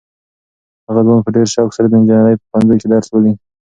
هغه ځوان په ډېر شوق سره د انجنیرۍ په پوهنځي کې درس لولي.